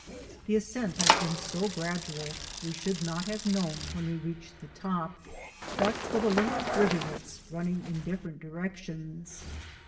The ascent has been so gradual we should not have known when we reached the top but for the little rivulets run ning in different directions.